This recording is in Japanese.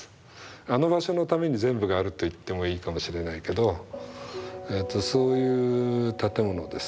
あの場所のために全部があると言ってもいいかもしれないけどそういう建物です。